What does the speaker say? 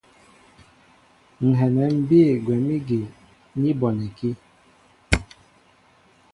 Ŋ̀ hɛnɛ ḿ bîy gwɛ̌m ígi ni bɔnɛkí.